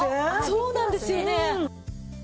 そうなんですよね！